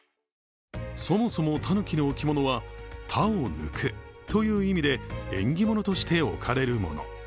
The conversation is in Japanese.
そもそも、たぬきの置物は他を抜くという意味で縁起物として置かれるもの。